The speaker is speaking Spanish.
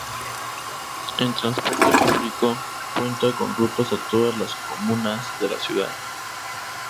En transporte público, cuenta con rutas a todas las comunas de la ciudad.